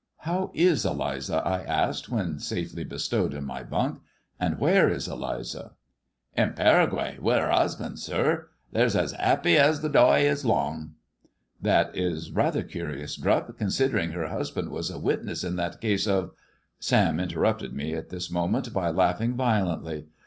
"How is Eliza?" I asked, when safely bestowed in my >uiik. And where is Eliza ]"" In Paraguay with 'er 'usband, sir. They're es 'eppy js th' doy es long." That is rather curious, Drupp, considering her husband jvas a witness in that case of " Sam interrupted me at this moment by laughing vio lently.